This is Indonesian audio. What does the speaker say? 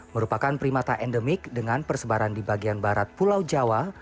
merupakan primata endemik dengan persebaran di bagian barat pulau jawa